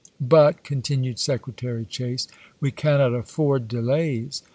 " But," continued Secretary Chase, " we cannot afford delays.